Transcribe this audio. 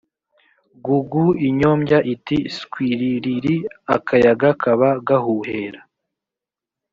gugu inyombya iti swiririri akayaga kaba gahuhera